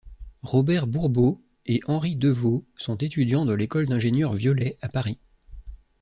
Robert Bourbeau et Henri Devaux sont étudiants de l'école d'ingénieurs Violet à Paris.